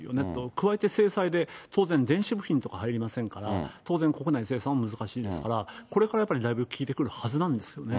加えて制裁で、当然、電子部品とか入りませんから、当然、国内生産は難しいですから、これからやっぱりだいぶ効いてくるはずなんですけどね。